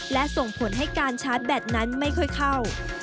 และส่งผลให้การชาร์จแบตนั้นไม่ค่อยเข้า